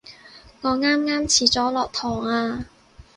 我啱啱遲咗落堂啊